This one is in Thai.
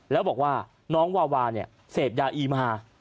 แล้วบอกว่าน้องวาวาเนี่ยเสพยาอีมา